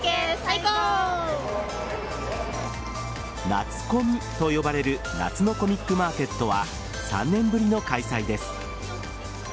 夏コミと呼ばれる夏のコミックマーケットは３年ぶりの開催です。